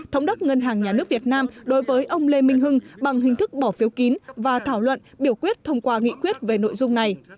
thống đốc ngân hàng nhà nước việt nam đối với ông lê minh hưng bằng hình thức bỏ phiếu kín và thảo luận biểu quyết thông qua nghị quyết về nội dung này